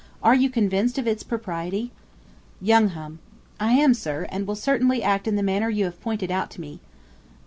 Are you convinced of its propriety? Young Hum. I am, sir, and will certainly act in the manner you have pointed out to me.